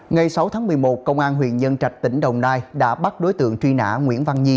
ngày sáu tháng một mươi một công an huyện nhân trạch tỉnh đồng nai đã bắt đối tượng truy nã nguyễn văn nhi